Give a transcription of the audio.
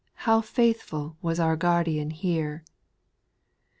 How faithful was our Guardian here.